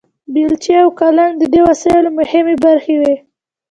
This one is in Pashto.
بیلچې او کلنګ د دې وسایلو مهمې برخې وې.